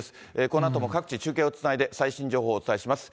このあとも各地中継をつないで、最新情報をお伝えします。